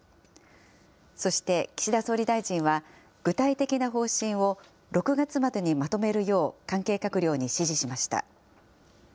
そして、岸田総理大臣は、具体的な方針を６月までにまとめるよう、関係閣僚に指示しました。